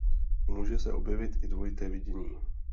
Může se objevit i dvojité vidění.